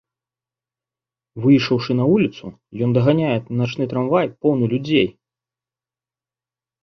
Выйшаўшы на вуліцу, ён даганяе начны трамвай поўны людзей.